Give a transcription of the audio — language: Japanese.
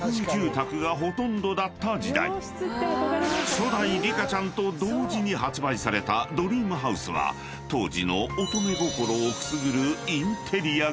［初代リカちゃんと同時に発売されたドリームハウスは当時の乙女心をくすぐるインテリアが］